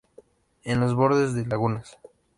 En los bordes de lagunas.